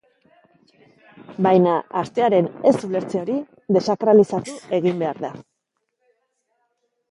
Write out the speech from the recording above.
Baina, artearen ez-ulertze hori desakralizatu egin behar da.